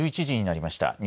１１時になりました。